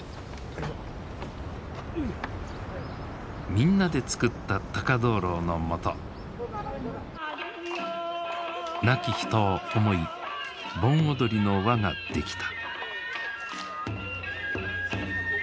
みんなで作った高灯籠のもと亡き人を思い盆踊りの輪が出来た。